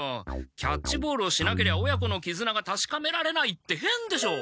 キャッチボールをしなけりゃ親子のきずながたしかめられないってへんでしょう！？